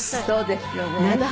そうですよね。